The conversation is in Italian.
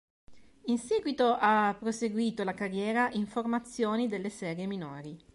In seguito ha proseguito la carriera in formazioni delle serie minori.